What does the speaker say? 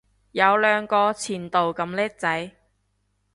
有兩個前度咁叻仔